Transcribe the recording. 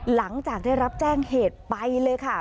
หลังจากได้รับแจ้งเหตุไปเลยค่ะ